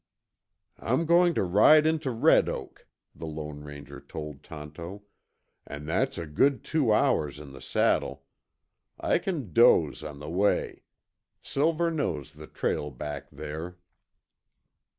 "I'm going to ride into Red Oak," the Lone Ranger told Tonto, "and that's a good two hours in the saddle. I can doze on the way. Silver knows the trail back there."